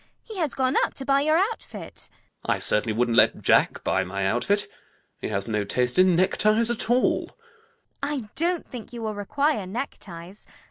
He has gone up to buy your outfit. ALGERNON. I certainly wouldn't let Jack buy my outfit. He has no taste in neckties at all. CECILY. I don't think you will require neckties.